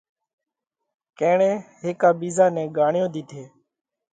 ڪيڻئہ هيڪا ٻِيزا نئہ ڳاۯيون ۮِيڌي۔